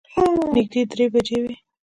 نږدې درې بجې وې.